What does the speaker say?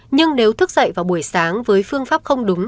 nhưng nếu thức dậy vào buổi sáng với phương pháp không đúng